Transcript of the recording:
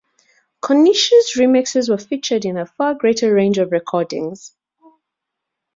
Konishi's remixes are featured in a far greater range of recordings.